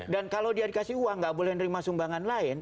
dan kalau dia dikasih uang nggak boleh nerima sumbangan lain